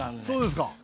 そうですか。